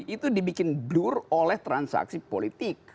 itu dibikin blur oleh transaksi politik